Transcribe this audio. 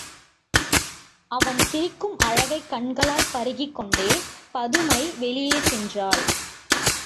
அவன் சிரிக்கும் அழகைக் கண்களால் பருகிக் கொண்டே பதுமை வெளியே சென்றாள்.